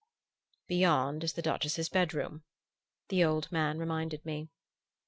"Beyond is the Duchess's bedroom," the old man reminded me.